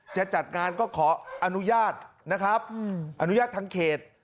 จะจัดงานก็ขออนุญาตนะครับอนุญาตทั้งเขต